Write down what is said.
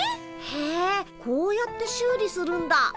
へえこうやって修理するんだ。